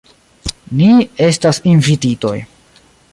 Ni estas invititoj.